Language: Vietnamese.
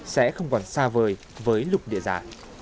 sẽ không còn xa vời với lục địa giả